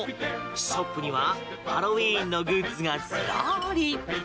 ショップにはハロウィーンのグッズがずらり。